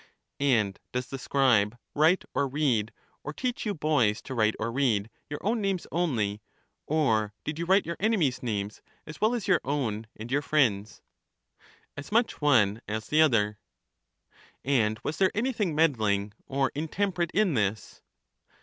And does the scribe write or read, or teach you boys to write or read, your own names only, or did you write your enemies' names as well as your own and your friends'? As much one as the other. And was there anything meddling or intemperate in this?